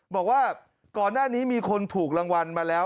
บอกว่าก่อนหน้านี้มีคนถูกรางวัลมาแล้ว